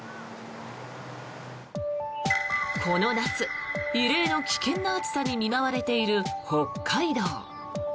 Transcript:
この夏、異例の危険な暑さに見舞われている北海道。